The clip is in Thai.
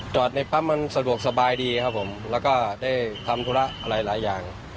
ในปั๊มมันสะดวกสบายดีครับผมแล้วก็ได้ทำธุระอะไรหลายอย่าง